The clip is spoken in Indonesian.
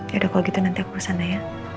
ya udah kalau gitu nanti aku kesana ya